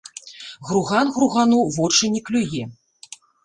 Груган гругану вочы не клюе.